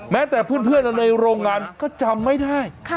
แต่เพื่อนในโรงงานก็จำไม่ได้